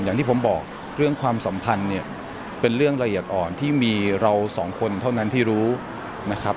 อย่างที่ผมบอกเรื่องความสัมพันธ์เนี่ยเป็นเรื่องละเอียดอ่อนที่มีเราสองคนเท่านั้นที่รู้นะครับ